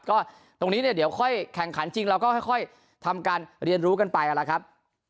ก็ตรงนี้เนี่ยเดี๋ยวค่อยแข่งขันจริงเราก็ค่อยทำการเรียนรู้กันไปนั่นแหละครับ